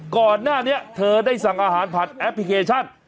ก่อนหน้านี้เธอได้สั่งอาหารผ่านแอปพลิเคชัน